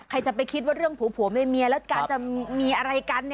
ใครจะไปคิดว่าเรื่องผัวเมียแล้วการจะมีอะไรกัน